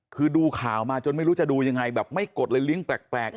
คือดูข่าวมาจนไม่รู้จะดูยังไงแบบไม่กดเลยลิงก์แปลก